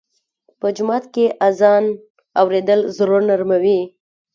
په جومات کې اذان اورېدل زړه نرموي.